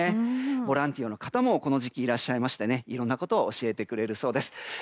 ボランティアの方もこの時期いらっしゃっていろんなことを教えてくれるそうです。